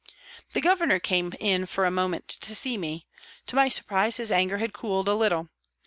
The Governor came in for a moment to see me. To my surprise his anger had cooled a little.